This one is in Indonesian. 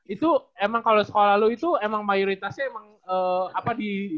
itu emang kalau sekolah lo itu emang mayoritasnya emang apa di tonjolinya bahasa